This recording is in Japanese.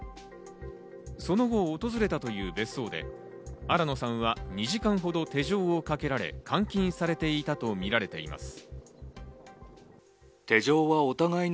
その後、訪れたという別荘で新野さんは２時間ほど手錠をかけられ、監禁されていたとみられています。